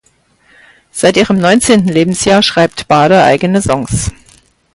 Seit ihrem neunzehnten Lebensjahr schreibt Bader eigene Songs.